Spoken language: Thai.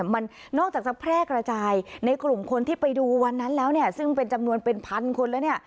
มันนอกจากจะแพร่กระจายในกลุ่มคนที่ไปดูวันนั้นแล้วซึ่งเป็นจำนวนเป็นพันคนแล้ว